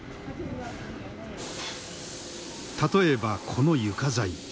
例えばこの床材。